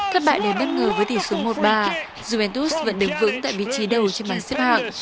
thất bại đầy bất ngờ với tỷ số một ba jubentus vẫn đứng vững tại vị trí đầu trên bàn xếp hạng